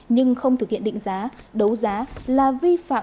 nhưng không thực hiện định giá đấu giá là vi phạm quy định